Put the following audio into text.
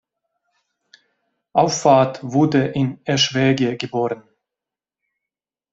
Auffarth wurde in Eschwege geboren.